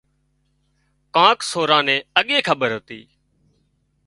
ڪانڪ سوران نين اڳي کٻير هتي